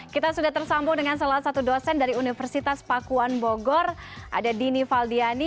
kita sudah tersambung dengan salah satu dosen dari universitas pakuan bogor ada dini valdiani